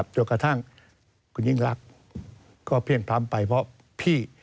จนกระทั่งคุณยิ่งรักก็เพลี่ยงพร้ำไปเพราะพี่